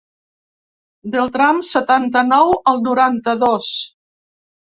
Del tram setanta-nou al noranta-dos.